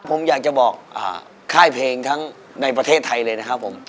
ผมอยากจะบอกค่ายเพลงทั้งในประเทศไทยเลยนะครับผม